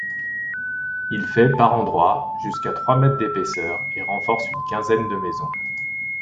Il fait, par endroits, jusqu’à trois mètres d’épaisseur et renforce une quinzaine de maisons.